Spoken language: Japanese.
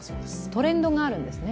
トレンドがあるんですね。